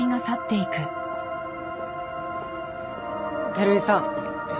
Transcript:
照井さん。